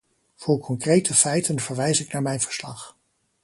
Voor concrete feiten verwijs ik naar mijn verslag.